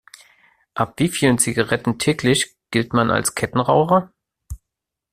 Ab wie vielen Zigaretten täglich gilt man als Kettenraucher?